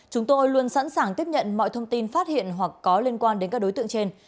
chúng tôi luôn sẵn sàng tiếp nhận mọi thông tin phát hiện hoặc có liên quan đến các đối tượng trên